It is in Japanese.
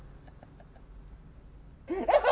ハハハ！